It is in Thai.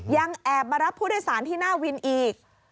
ยังแอบมารับผู้โดยสารที่หน้าวินอีก